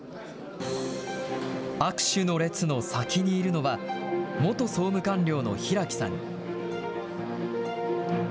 握手の列の先にいるのは、元総務官僚の平木さん。